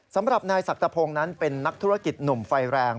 สำหรับนายศักพงศ์นั้นเป็นนักธุรกิจหนุ่มไฟแรง